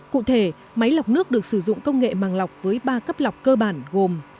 cụ thể máy lọc nước được sử dụng công nghệ màng lọc với ba cấp lọc cơ bản gồm